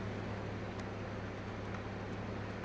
อัศวินธรรมชาติ